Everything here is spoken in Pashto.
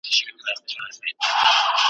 د بل رهبر وي د ځان هینداره .